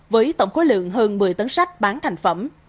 với tổng khối lượng hơn một mươi tấn sách bán thành phẩm